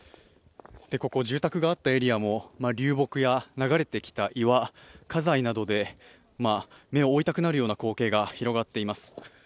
ここ住宅があったエリアも流木や流れてきた岩、家財などで目を覆いたくなるような光景が広がっています。